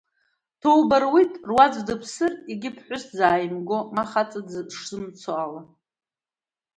Ҭоуба руит, руаӡә дыԥсыр, егьи ԥҳәыс дзааимго, ма хаҵа дзымцо ала.